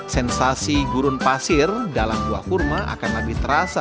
sensasi gurun pasir dalam buah kurma akan lebih terasa